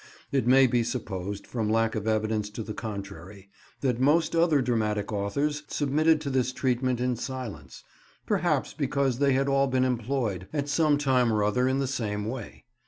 It may be supposed from lack of evidence to the contrary, that most other dramatic authors submitted to this treatment in silence; perhaps because they had all been employed, at some time or other in the same way.